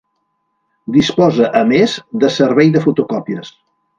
Disposa, a més, de servei de fotocòpies.